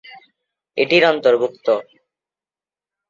এটি র অন্তর্ভুক্ত।